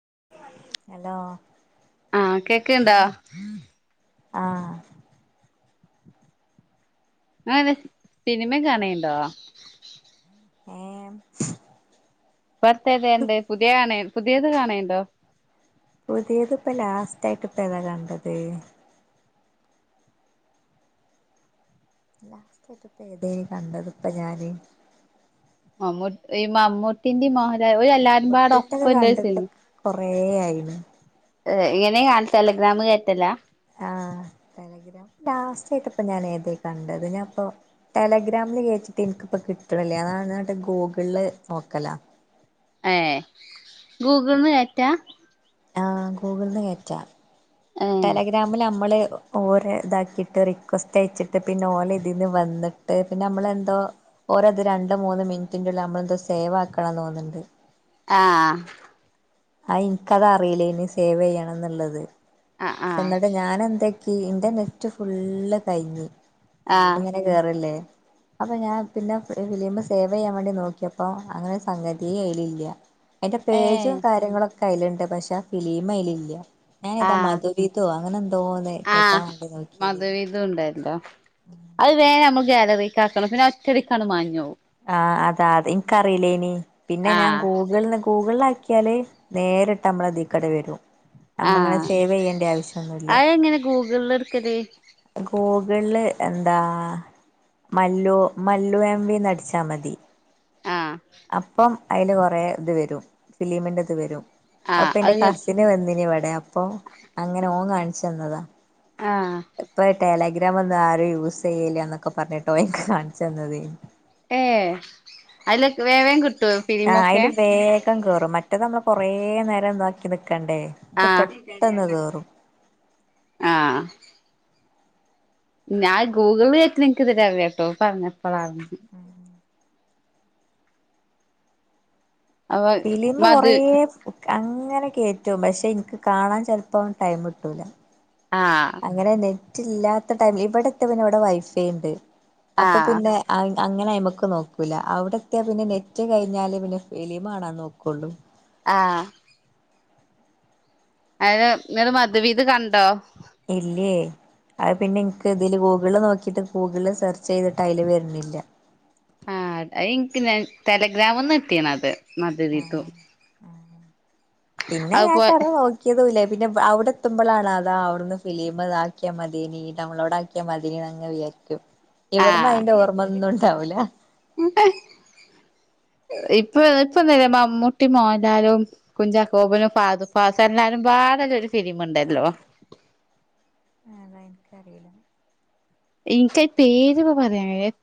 [unintelligible] Hello കേക്ക്ണ്ടാ? ആ [unintelligible] സിനിമൊക്കെ കാണേണ്ടോ? ഏമ് ബർത്തേതേണ്ട് പുതിയ കാണേ പുതിയത് കാണേണ്ടോ? പുതിയത് ഇപ്പ ലാസ്റ്റ് ആയിട്ട് ഇപ്പയെ താ കണ്ടത്? ലാസ്റ്റ്ആയിട്ട് ഇപ്പഏതേ കണ്ടത്പ്പഞാന് മമ്മൂട് ഈമ്മൂട്ടീന്റിം മോഹൽ ഏ ഒര് എല്ലാരുംപാട മമ്മൂട്ടിന്റെക്കെ ഒപ്പള്ളരു കണ്ടിട്ട് സിനിമ കൊറേ ആയിണ് ഏ ഇങ്ങനെ കാണ ടെലഗ്രാമ് കേറ്റല? ആ ടെലഗ്രാം ലാസ്റ്റ് ആയിട്ട്പ്പ ഞൻ ഏതേ കണ്ടത് ഞാപ്പോ ടെലഗ്രാം ഇത്കേറ്റിട്ട് ഇൻക്ക്പ്പൊ കിട്ട്ണ്ല്ല അതാണ് എന്നിട്ട് ഗൂഗ്ള്ള് നോക്കല ഏ ഗൂഗിൾന്ന് കേറ്റാ? ആ ഗൂഗിൾന്ന് കേറ്റ ഏഹ് ടെലഗ്രാമിൽ നമ്മള് ഓരെ ഇതാക്കിട്ട് റിക്വസ്റ്റ് അയച്ചിട്ട് പിന്നെ ഓല ഇതീന്ന് വന്നിട്ട് പിന്നെ നമ്മളെന്തോ ഓരോത് രണ്ട് മൂന്ന് മിനിറ്റിന്റെ ള്ളിൽ നമ്മളെന്തോ സേവാക്കണം തോന്നുന്നുണ്ട്. ആ ആ ഇൻക്കത് അറീല്ലേയ്നു സേവ് യ്യണം എന്നുള്ളത് ആഹ് ആഹ് പക്ഷെ ഞാൻ എന്തേ ഇന്റെ നെറ്റ് ഫുള്ള് കയ്ഞ്ഞ്ഫിലീമ് ആഹ് ങ്ങനെ കേറല്ലേ അപ്പൊ ഞാൻ പിന്നെ ഫിലീമ് സേവ്യ്യാൻ വേണ്ടി നോക്കിയപ്പോ അങ്ങനെ ഒരുസംഗത്യേ അയ്ലില്ല്യ. അയ്ന്റെ പേജും ഏഹ് കാര്യങ്ങളൊക്കെ അയ്ല്ണ്ട് പക്ഷെ ഫിലീമ് അയിൽ ഇല്ല ഞാൻ ഏതാ ആഹ് മധുവിതൊ തോന്നെ കെറ്റാൻ ആഹ് വേണ്ടി നോക്കിഏത്. മധുവിധു ഇണ്ടല്ലോ അത് വേം നമ്മൾ ഗേലറീക്കാകണം പിന്നെ ഒറ്റടിക്കാണ്ട് മാഞ്ഞവും. ആ അതാ അതിൻക്കറീല്ലേയ്നി പിന്നെ ഞാൻ ആഹ് ഗൂഗിൾന്ന് ഗൂഗിളായി ക്യാല് നേരിട്ട് നമ്മളതീക്കാണ്ട് വരും. ആ നമ്മളിങ്ങനെ സേവ് ചെയ്യേണ്ട അയെങ്ങനെ ഗൂഗ്ൾ ഇട്ക്കല്? ഗൂഗിള്ല് എന്താ മല്ലു മല്ലു എം വി ന്നടിച്ചാ മതി. ആഹ് അപ്പം അയ്ല് കൊറെ ഇത് വരും ഫിലീമിന്റെ ഇത് വരും. ആഹ് അപ്പൊ ന്റെ അത് ഇങ്ങ കസിന് വന്നീന് ഇവിടെ അപ്പൊ അങ്ങനെ ഓൻ കാണിച്ചുന്നതാ. ആ. ഗ്രമൊന്നും ആരും യൂസെയ്യുല്ല എന്നൊക്കെ പറഞ്ഞിട്ട് ഓൻക്ക് കാൺച്ചന്നതെയ്നു ഏ അയ്ലൊക്കെ വേവേം കിട് ആ അയ്ല് വേഗം കേറും മറ്റെത് ന്നമ്മള് കൊറേ നേരം താക്കി നിക്ക് ക്കണ്ടേ ഇത് ആഹ് പെട്ടെന്ന് കേറും. ആഹ് ഞാൻ ഗൂഗിള് കേറ്റ്ണത് ഇൻക്ക് ഇതരേ അറിലട്ടൊപറഞ്ഞപ്പെളാ അറിയിണ്. അപ്പൊ ഫിലീമ് കൊറേ മധു [unintelligible] അങ്ങനെ കേറ്റും പക്ഷെ ഇൻക്ക് കാണാൻ ചെലപ്പം ടൈംട്ടൂല. ആഹ് അങ്ങനെ നെറ്റ് ഇല്ലാത്ത ടൈമ് ല് ഇവിടെത്യാ പിന്നെ ഇവിടെ വൈഫൈണ്ട്. അപ്പൊ ആഹ് പിന്നെ അഅ് അങ്ങനെ അയ്മക് ക്ക്നോക്കൂല അവിടത്തെ പിന്നെ നെറ്റ് കഴിഞ്ഞാല് പിന്നെ ഫിലിമ്ണാൻനോക്കുള്ളു ആഹ അത് [unintelligible] മതിവീത് കണ്ടോ ഇല്ലേ അത് പിന്നെ എനിക്ക് ഇതില് ഗൂഗിള് നോക്കിട്ട് ഗൂഗിള് സെർച്ച് ചെയ്തിട്ട് അതില് വരുന്നില്ല ആഹ് എനിക്ക് ഞാൻ തലഗ്രാംന്ന് എത്തിണ അത് ആ ആ പിന്നെ അത്പോ നേട്ട നോക്കിയതുല്ല പിന്നെ അവിടെ എത്തുമ്പോളാണ് അതാ അവിടുന്ന് ഫിലിമതാക്കിയ മതിീനി നവ്ളോട ആാക്കിയ മതിീനിന്ന്ങ്ങ ഇവിടന്ന് അയിന്റെ ആഹ് ഓർമ്മൊന്നും ഇണ്ടാവൂല ഇപ്പൊ ഇപ്പൊന്നല്ല മമ്മൂട്ടി മോഹൻലാരും കുഞ്ചാക്കോബനും ഫാദ ഫാസ എലാരും പാ ആതല്ലൊ ഒരു ഫിലിമു ഉണ്ടല്ലോ ആ അത എനിക്കറിയില്ല എനിക്ക് അയ്യപപേര്പ്പ [unintelligible]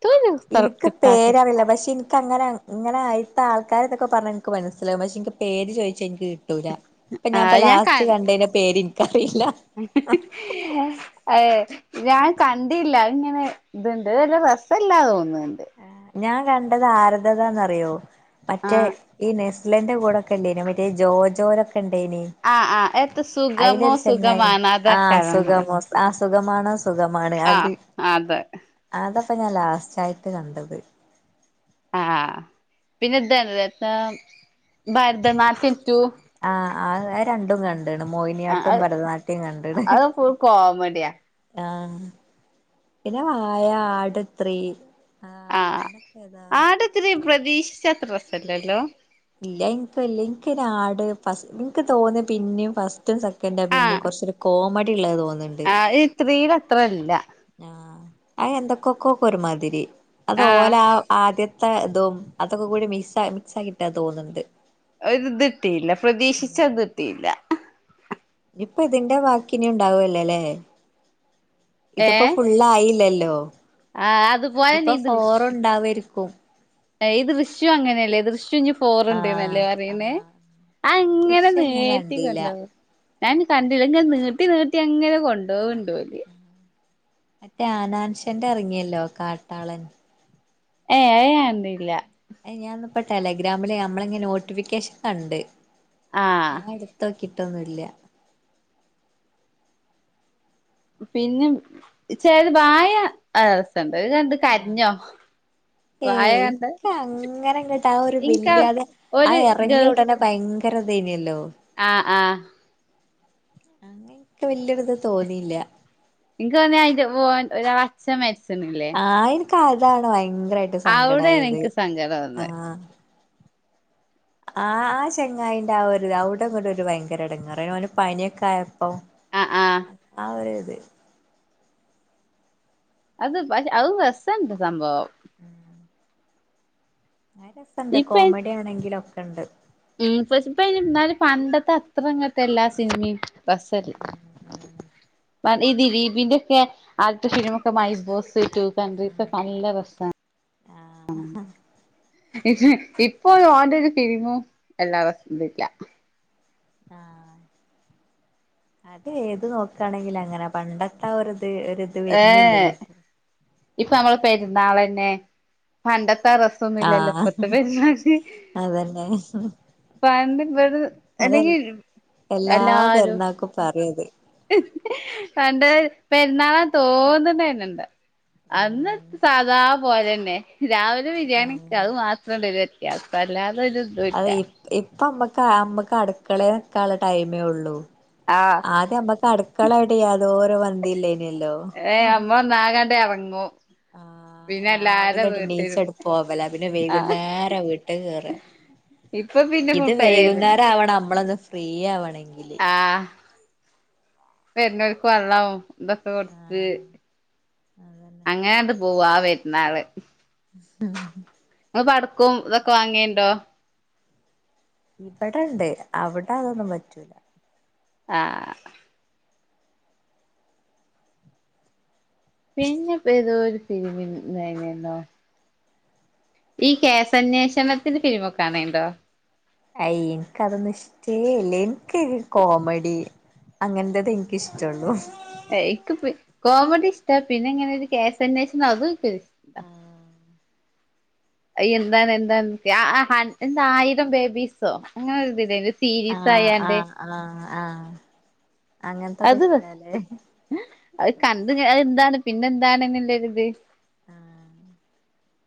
എനിക്ക് പേരറില്ല പക്ഷെ എനിിക്കങ്ങനെ ഇങ്ങനെ ആയിത്ത ആൾക്കാ [unintelligible] ത്തൊക്കെ പറഞ്ഞാ എനിക്ക് മനസ്സിലാവും പക്ഷെ എനിക്ക് പേര് ചോദിച്ചാ എനിക്ക് കിട്ടൂല ഇപ്പൊ ആ ഞാൻപ്പൊ അത് ഞാൻ ക ലാസ്റ്റ് കണ്ടതിന്റെ പേര്നിക്കറിയില്ല [unintelligible] ഏ ഞാൻ കണ്ടില്ല ഇങ്ങനെ ഇതുണ്ട് വല്ല രസല്ലാ തോന്നുന്നുണ്ട് ഞാൻ കണ്ടത് ആര്ദതന്ന്റിയോ ആ മറ്റേ ഈ ഇലൻ്റെ കൂടെൊക്കെ ഉണ്ടായിും. മറ്റേ ജോ ജോൊക്കെ ഇണ്ടായ്നി ആ ആ എത്ത സുഖമോ അലൊരു ചങ്ങ സുഖമാണ് ആ അതൊക്കെന്ന സുഖമോ ആസ് സുഖമാണോ സുഖമാണ് ആ അത് അതെ അത ഇപ്പൊ ഞാൻ ലാസ്റ്റ് ആയിട്ട് കണ്ടത് ആഹ് പിന്നെന്ത [unintelligible] ഭരതനാട്യം റ്റു ആഹ ആ രണ്ടും കണ് ക ആ മോഹിനിയാട്ടം ഭരതനാട്യം കണ്ടണ് ഹ് അത് ഫുൾ കോമഡിയാ ആ പിന്നെ വായ ആട്ത്രീ ആഹ് ആട് ത്രി പ്രതീക്ഷിച്ചത്ര രസല്ലല്ലോ ഇല്ല എനിക്കല്ല എനിക്കൊ ആട് ഫസ് എനിക്ക് തോന്നി പിന്നെയും ഫസ്റ്റ് റ്റും സെക്കൻ ന്റാ പിന്നെ കുറച്ചൊ കോമഡി ഉള്ളത് തോന്നു ആ് ഇത് ത്രില് അത്രല്ല ആ അ എന്തൊക്കൊക്കെക്കെ ഒരുമാതിരി അത് ഓല ആ ആദ്യത്തെ അ ഇതും അതൊക്കെ കൂടി മിസ് ആ മിക്സ് ആക്കിയിട്ടാ തോന്നുന്നുണ്ട് ഒര്ത്ട്ടിയില്ല പ്രതീക്ഷിച്ച തിട്ടിയില്ല ഇപ്പ ഇതിന്റെ വാക്കിഇിന ഉണ്ടാവല്ലേല്ലേ ഇതിപ്പോ ഫുള്ള ആായില്ലല്ലോ ആഹ് അത് പോലെ നീ ഇത് ഫോറുണ്ടാവായിരിക്കും ഈ ദൃശ്യം അങ്ങനെയല്ലേ ദൃശ്യം ഇഞ്ഞ് ആഹ് പോറുണ്ട്നല്ലേ പറയുന്നേ ആഹ് ആ ഇങ്ങനെ ദൃശ്യം ഞാൻ കണ്ടില്ല നേട്ടിക്കൊണ്ട കും ഞാൻ കണ്ടില്ലങ്ങ നീട്ടി നീട്ടി അങ്ങനെ കൊണ്ടോ ക്ണ്ണ്ട് ഓല് മറ്റേ ആനാൻഷന്റെ ഇറങ്ങിയല്ലോ കാട്ടാളൻ ഏ അഅ് ഞാനണ്ടില്ല ഏ ഞാൻന്നിപ്പോ ടെലഗ്രാമില് നമ്മള ഇങ്ങെ നോട്ടിഫിക്കേഷൻ കണ്ട് ആ ഞാൻ എടുത്തോക്കിട്ടൊന്നല്ല പിന്നെ ചേത് വായ രസുണ്ട്ത് കണ്ട് കരിഞ്ഞോ ഏ ഇക്ക അങ്ങനെ ഇങ്ങട്ട ആ ഒരു ഇൻക്ക് വല്യ ത് ആ ഒരു ഇറങ്ങി ഉടനെ ഭയങ്കര വതൈനല്ലോ ആഹ ആഹ അങ്ങനക്കെ വല്യരുത് തോന്നിയില്ല ഇനിക്ക് [unintelligible] ക്ക് അതാണ് ഭയങ്കരായിട്ട് സങ്കടമായത് ഇൻക്ക് സങ്കടം വന്നേ ആഹ ആ ചെങ്ങായിന്റെ ആ ഒരു അവിട നിന്നിട്ടൊരു ഭയങ്കര എടങ്ങാറായി. ഓന് പനിയൊക്കെ ആ അപ്പൊ ആ ആ ആ ഒരു ഇത് അത് പക്ഷെ അത് രസണ്ട് സംഭവം ഉം ആ രസുണ്ട് ഇപ്പ കോമഡി ആണെങ്കിലും ഒക്കെ ഇണ്ട് ഉം പക്ഷെ ഇപ്പയിന് എന്നാലും പണ്ടത്തെ അത്ര ഇങ്ങൻത്തെല്ലാ സിനിമയും രസല്ല. ഉം ഉം ഈ ദിലീപിന്റെ ഒക്കെ ആദ്യത്തെ സിനിമൊക്കെ മൈ ബോസ് ടു കൺട്രീസ് ഒക്കെ ഉം നല്ല രസാണ് ആഹ് ഇപ്പോഴും ഓന്റെ ഒരു ഫിലിമും എല്ലാവർക്കും വിറ്റാ ആഹ് അത് ഏത് നോക്കാണെങ്കിലും അങ്ങനാ, പണ്ടത്തെ ഒരു ഇത് ഒരിത് വര്ണില്ലല്ലോ ഇപ്പൊ ഇപ്പ നമ്മളെ പെര്ന്നാളന്നെ പണ്ട ത്തെ രസൊന്നുല്ലല്ലോ ആഹ് ഇപ്പത്തെ പെര്ന്നാള് അതന്നെ പണ്ട് ഇവര് അതല്ല അല്ലെങ്കിൽ എല്ലാ എല്ലാരും പെര്ന്നാക്കും പറയുത് പണ്ട് പെര്ന്നാള തോന്ന്ന്നന്നെ ഇണ്ട്. അന്ന് ഉം സാധാ പോലന്നെ. രാവിലെ ബിരിയാണി വെക്കാ. ആഹ് അത് മാത്രണ്ടൊരു വ്യത്യാസം. അല്ലാത തൊരു അത് ഇതുല്ല ഇ ഇപ്പ അമ്മക്ക് അമ്മക്ക് അട്ക്കളേ നിക്കാന്ള്ള ടൈമേ ഉള്ളു. ആഹ് ആദ്യമ്മക്കട് ക്കളായിട്ട് യാതോര് ബന്ധല്ലേനുവല്ലോ? ഏ അമ്മ ഒന്നാകണ്ട് എറങ്ങും ആഹ് പിന്നെ എല്ലാരും രാവിലാട്ട് വീട്ടിലും എണീച്ചാട്ട് പോവലാ. പിന്നെ ആഹ് വൈക്‌ന്നേരാ വീട്ട് കേറാ. ഇപ്പൊ പിന്നെ ഇത് ഫുൾ പെരേലെന്നെ വൈകുന്നേരാവണ നമ്മളൊന്ന് ഫ്രീ ആവണെ ആഹ് വര്ണോർക്ക് വെള്ളോം എന്തൊക്കെ കൊടുത്ത്. ആഹ് അതന്നെ അങ്ങനത് പോവു ആ വെരുന്നാള്. ഹഹ അ പടക്കവും ഇതൊക്കെ വാങ്ങീണ്ടോ? ഇവടെണ്ട്. അവിടെ അതൊന്നു പറ്റൂല. ആ പിന്നിപ്പ ഏതോ ഒരു സിനിമ ഇണ്ടായിനല്ലോ? ഈ കേസന്വേഷണത്തിന്റെ ഫിലിമൊക്കെ കാണലുണ്ടോ? അയ് ഇൻക്കതൊന്നു ഇഷ്ടേ അല്ലേ. ഇൻക്ക് കോമഡി അങ്ങൻത്തതെ ഇൻക്കിഷ്ടള്ളു എനിക്ക് കോമഡി ഇഷ്ടാ പിന്നെ ഇങ്ങനെ ഒരു കേസന്വേഷണം അതും ഇനിക്ക് ഇഷ്ട. എന്താണ് എന്താ എന്ത ആയിരം ബേബീസോ അങ്ങനൊരു ഇതില്ലേ? ആഹ് ആഹ് ആഹ് ആഹ് അങ്ങനത്തൊക്കെ അത് ഇഷ്ടാല്ലേ അത് കണ്ട് അത് എന്താണ് പിന്നെന്താണ്ന്ന്ള്ളൊരിത് ആഹ്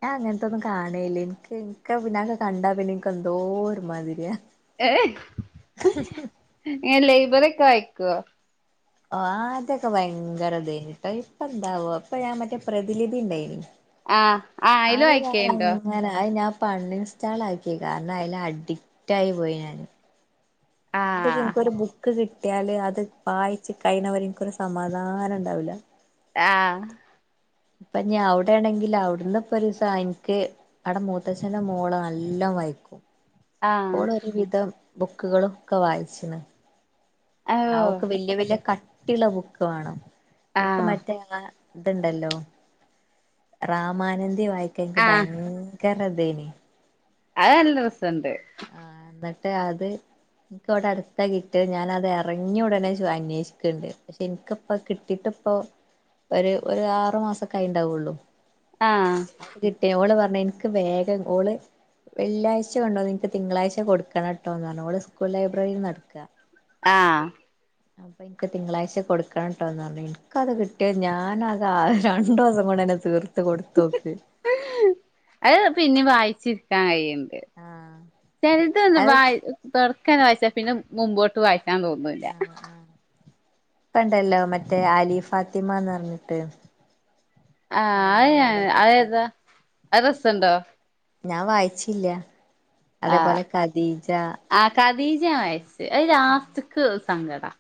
ഞാൻ അങ്ങൻത്തെയൊന്നും കാണേല്ല. ഇൻക്ക് ഇൻക്ക് പിന്നെതക്ക കണ്ടാ പിന്നെ ഇൻക്ക് എന്തോ ഒരു മാതിരിയാ ഏഹ്. ഏ ലൈബറി ഒക്കെ വായിക്ക്വോ? ആദ്യൊക്കെ ഭയങ്കര ഇതേന്ട്ടോ. ഇപ്പെന്താവോ? ഇപ്പൊ ഞാൻ മറ്റേ പ്രതിലിപി ഇണ്ടേയിനി. ആഹ് ആ അയില് അത് വായിക്കലുണ്ടോ ഞാനങ്ങനെ അത് ഞാൻ ഇപ്പ അൺ ഇൻസ്റ്റാൾ ആക്കി. കാരണം അതില് അഡിക്റ്റ് ആയി പോയി ഞാന്. ഞാ ട്ട് ആഹ് ഇനിക്കൊരു ബുക്ക് കിട്ട് ട്ട്യാല് അത് വായിച്ച് കഴീണവരെ ഇനിക്കൊരു സമാധാനണ്ടാവില്ല. ആഹ് ഇപ്പൊ ഞാൻ അവിടെ ആണെങ്കില് അവിടുന്ന് ഇപ്പൊ ഒരൂസ എനിക്ക് അവിടെ മൂത്തച്ഛന്റെ മോള് നല്ലോ വായിക്കും. ഇപ്പൊ ആഹ് ഓളൊരു വിധം ബുക്കുകളൊക്കെ വായിച്ചിന്. ആ ഓ ഓക്ക് വല്യ വല്യ കട്ടിള്ള ബുക്ക് വാണം [unintelligible] ആഹ് മറ്റേ ഇണ്ടല്ലോ റാമാനന്ദി വായിക്കാൻ ഇൻക്ക് ഭയങ്കര [unintelligible] അഅ് നല്ല രസണ്ട്. ആ ന്ന്ട്ട് അത് ഇനിക്ക് ഇവ്ടെട്ത്താ കിട്ടിയെ ഞാനത് എറങ്ങിയടനെ അന്വേഷിക്കണ്ട് പക്ഷെ ഇനിക്കിപ്പ കിട്ടിട്ട ഇപ്പൊ ഒര് ഒര് ആറ് മാസ ക്കായിണ്ടാവുള്ളു ആഹ് അത് കിട്ടിയ ഓള് പറഞ്ഞ് എനിക്ക് വേഗം ഓള് വെള്ളിയാഴ്ച കൊണ്ടോന്ന് ഇൻക് തിങ്കളാഴ്ച കൊടുക്കണട്ടോന്ന് പറഞ്ഞ്, ഓള് സ്കൂൾ ലൈബ്രറീന്നാ ഇട്ക്ക ആ അപ്പൊ ഇൻക്ക് തിങ്കളാഴ്ച കൊടുക്കണട്ടോന്ന് പറഞ്ഞ്, ഇൻക്കത് കിട്ടിയൊ ഞാനത് രണ്ട് ദിവസം കൊ ണ് തീർത്ത് കൊടുത്തോക്ക്. അത് പിന്നിം വായിച്ചിരിക്കാൻ കയ്യ്ണ്ട്. ആഹ് ചെലതൊന്നു അത് വാ തൊടക്കന്നെ വായിച്ച പിന്നെ മുമ്പോട്ട് വായിക്കാൻ തോന്നൂല. പ്പണ്ടല്ലോ മറ്റേ അലി ഫാത്തിമാന്നർഞ്ഞിട്ട് ആ ആ അഏതാ ആ രസണ്ടോ? ഞാൻ വായിച്ചീല്ല. ആഹ് അതേപോലെ ഖദീജാ ആഹ് ഖദീജ ഞാൻ വായിച്ച്, അത് ലാസ്റ്റ്ക്ക് സങ്കടാ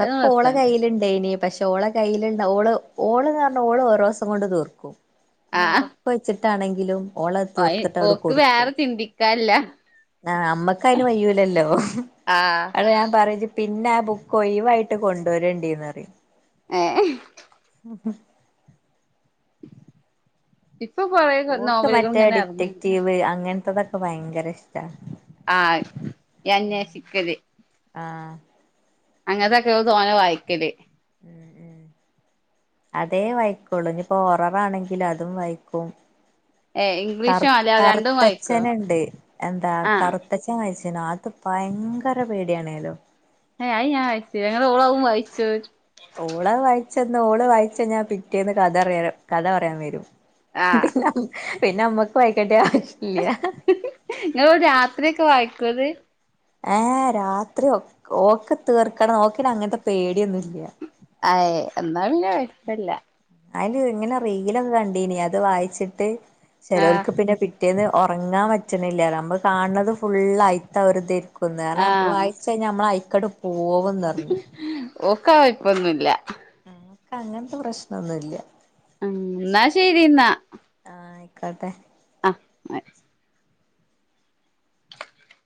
അത് രസണ്ട് കയ്യ്ല്ണ്ടായ്നി പക്ഷെ ഓളെ കയ്യില്ണ്ട ഓള്, ഓള്ന്ന് പറഞ്ഞാ ഓള് ഓരോസം കൊണ്ട് തീർക്കും. ആഹ് ഇഞ്ഞൊറപ്പ് വെച്ചിട്ടാണെങ്കിലും ഓളത് ഓയി തീർത്തിട്ടതണ് ഓക്ക് കൊടുക്കും. വേറെ ചിന്തിക്കാല്ല ആ അമ്മക്കയ്ന് മയ്യൂലല്ലോ. ആഹ് [unintelligible] ഞാൻ പറിം, ഇജ് പിന്നെ ആ ബുക്ക് ഒയ് വായിട്ട് കൊണ്ടൊരോണ്ടി പറിം. ഏ [unintelligible] ഇപ്പൊ കൊറേ ഓക്ക് നോവലുകൾ മറ്റേ ഇങ്ങനെ എറങ്ങ്ണ്ട് ഡിറ്റക്റ്റീവ് അങ്ങൻത്തൊതൊക്കെ ഭയങ്കര ഇഷ്ട. ആ ഈഅന്നേഷിക്കല് ആ അങ്ങൻതൊക്കെ ഓള് തോനെ വായിക്കല്. ഉം ഉം അതേ വായിക്കുള്ളു, ഇനിപ്പോ ഒററാണെങ്കിലതും വായിക്കും. ഏഹ് കറു ഇംഗ്ലീഷും മലയാളോം രണ്ടും വായിക്കോ കറുത്തച്ഛന്ണ്ട്. എന്താ ആഹ് കറുത്തച്ഛൻ വായിച്ച് നകത്ത് ഭയങ്കര പേടിയാണേലോ ഏ അഅ് ഞാൻ വായിച്ചീല്ല. ഇങളെ ഓളവും വായിച്ചോ? ഓളത് വായിച്ചന്ന് ഓള് വായിച്ചയ്ഞ്ഞാ പിറ്റേന്ന് കഥ അറിയ കഥ പറയാൻ വരും. ആഹ് പിന്നെ പിന്നെ അമ്മക്ക് വായിക്കേണ്ട ആവശ് ഇങള് രാത്രിയൊക്കെ വായിക്കൊത്? ഏ രാത്രി ഒ ഓക്ക് തീർക്കണം ഓക്ക് പിന്നങ്ങൻത്തെ പേടിയൊന്നുല്ല. അയ് എന്നാപ്പിന്നെ കൊയ്പല്ല. അയ്ന് ഇങ്ങനെ റീലൊക്കെ കണ്ടീനി അത് വായിച്ചിട്ട്, ആഹ് ചേലോൽക് പിന്നെ പേ പിറ്റേന്ന് ഒറങ്ങാൻ പറ്റണില്ലേലോ, നമ്മള് കാണുന്നത് ഫുളളയിത്തെ ഒരിതായ്രിക്കും. [unintelligible] ആഹ് വായിച്ചയ്ഞ്ഞ നമ്മളയിക്കട് പോവുംന്നർഞ്ഞ് ഓക്കത് കൊയ്പ്പൊന്നുല്ല. ക്കങ്ങൻത്തെ പ്രശ്നൊന്നുല്ല. എന്നാ ശരി എന്നാ. ആ ആയിക്കോട്ടെ. അ [unintelligible]